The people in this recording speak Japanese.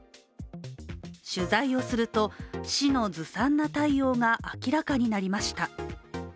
取材をすると、市のずさんな対応が明らかになりました。